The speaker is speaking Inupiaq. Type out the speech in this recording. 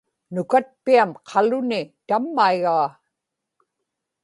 nukatpiam qaluni tammaigaa